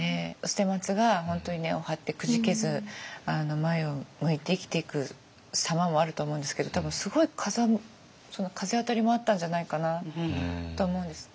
捨松が本当に根を張ってくじけず前を向いて生きていく様もあると思うんですけど多分すごい風当たりもあったんじゃないかなと思うんです。